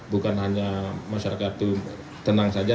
bukan hanya masyarakat itu tenang saja